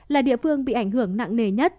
là địa phương bị ảnh hưởng nặng nề nhất